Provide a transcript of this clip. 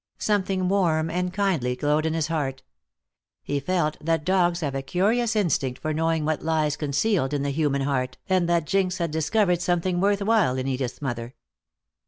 Something warm and kindly glowed in his heart. He felt that dogs have a curious instinct for knowing what lies concealed in the human heart, and that Jinx had discovered something worth while in Edith's mother.